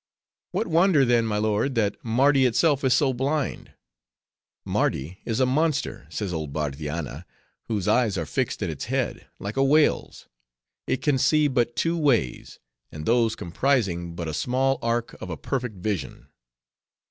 What wonder then, my lord, that Mardi itself is so blind. 'Mardi is a monster,' says old Bardianna, 'whose eyes are fixed in its head, like a whale's; it can see but two ways, and those comprising but a small arc of a perfect vision.